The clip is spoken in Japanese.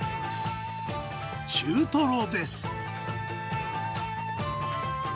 中トロです。